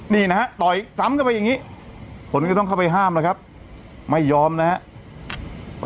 นี่นะฮะต่อยซ้ำเข้าไปอย่างนี้คนก็ต้องเข้าไปห้ามแล้วครับไม่ยอมนะครับ